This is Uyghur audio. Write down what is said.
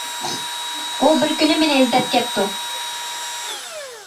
بۇ بىر كۈنى مېنى ئىزدەپ كەپتۇ.